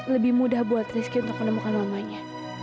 lebih mudah buat rizky untuk menemukan mamanya